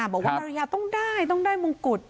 บอกว่าภรรยาต้องได้ต้องได้มงกุฎ